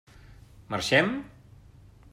Marxem?